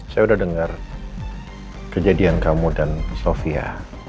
saya udah dengar kejadian kamu dan sofia